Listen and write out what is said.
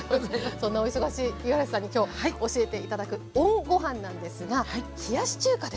そんなお忙しい五十嵐さんにきょう教えて頂くＯＮごはんなんですが冷やし中華です。